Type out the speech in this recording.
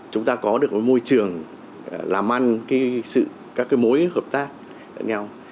chúng ta có được một môi trường làm ăn các cái mối hợp tác nhau